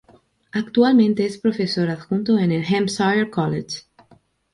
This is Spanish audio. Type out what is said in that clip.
Actualmente es profesor adjunto en el Hampshire College.